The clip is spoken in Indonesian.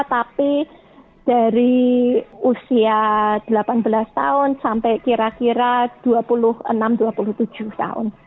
tapi dari usia delapan belas tahun sampai kira kira dua puluh enam dua puluh tujuh tahun